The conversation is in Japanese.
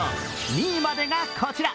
２位までがこちら。